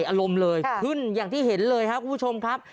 อารมณ์เลยขึ้นอย่างที่เห็นเลยครับคุณผู้ชมครับ